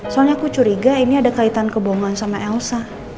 soalnya aku curiga ini ada kaitan kebohongan sama elsa